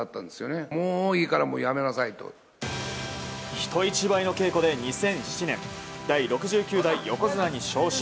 人一倍の稽古で、２００７年第６９代横綱に昇進。